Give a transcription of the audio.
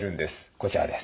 こちらです。